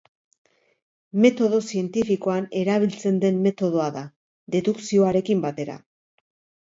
Metodo zientifikoan erabiltzen den metodoa da, dedukzioarekin batera.